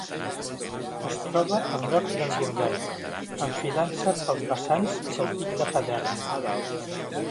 Es troba al nord d'Engordany, enfilant-se pels vessants del pic de Padern.